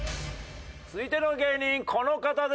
続いての芸人この方です。